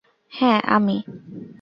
হ্যাঁ, আমি।